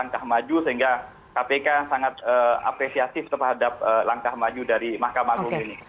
langkah maju sehingga kpk sangat apresiasi terhadap langkah maju dari mahkamah agung ini